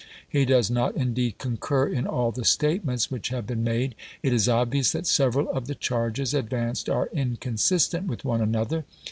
He does not indeed concur in all the statements which have been made; it is obvious that several of the charges advanced are inconsistent with one another.